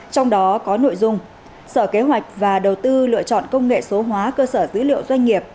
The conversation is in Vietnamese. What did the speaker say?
trong đó có nội dung sở kế hoạch và đầu tư lựa chọn công nghệ số hóa cơ sở dữ liệu doanh nghiệp